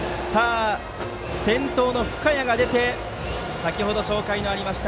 先頭の深谷が出て先程、紹介がありました